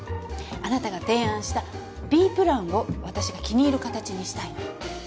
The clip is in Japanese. あなたが提案したＢプランを私が気に入る形にしたいの。